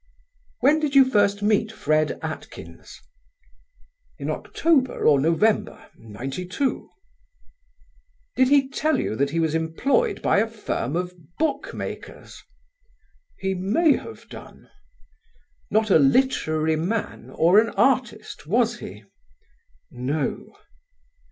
"When did you first meet Fred Atkins?" "In October or November, '92." "Did he tell you that he was employed by a firm of bookmakers?" "He may have done." "Not a literary man or an artist, was he?" "No."